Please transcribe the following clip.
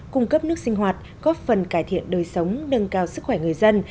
cung cấp nước sinh hoạt góp phần cải thiện đời sống nâng cao sức khỏe người dân